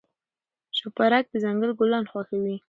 شوپرک د ځنګل ګلان خوښوي.